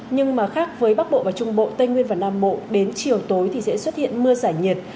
nhưng mà khác với bắc bộ và trung bộ tây nguyên và nam bộ đến chiều tối thì sẽ xuất hiện mưa giải nhiệt